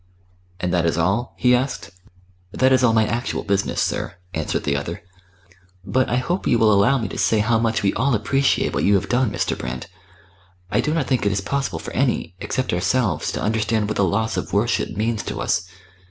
"And that is all?" he asked. "That is all my actual business, sir," answered the other. "But I hope you will allow me to say how much we all appreciate what you have done, Mr. Brand. I do not think it is possible for any, except ourselves, to understand what the loss of worship means to us.